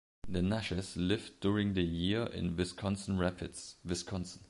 The Nashes lived during the year in Wisconsin Rapids, Wisconsin.